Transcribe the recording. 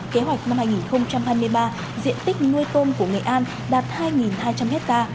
kế hoạch năm hai nghìn hai mươi ba diện tích nuôi tôm của nghệ an đạt hai hai trăm linh ha